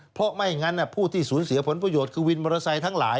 เพราะไม่งั้นผู้ที่สูญเสียผลประโยชน์คือวินมอเตอร์ไซค์ทั้งหลาย